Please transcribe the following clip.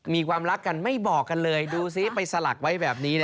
มีความรักกันไม่บอกกันเลยดูซิไปสลักไว้แบบนี้